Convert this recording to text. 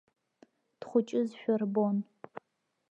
Дхәыҷызшәа рбон.